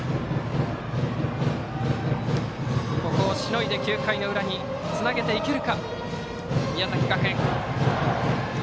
ここをしのいで９回の裏につなげるか、宮崎学園。